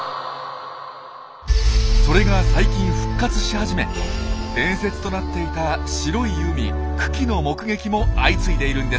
それが最近復活し始め伝説となっていた白い海群来の目撃も相次いでいるんです。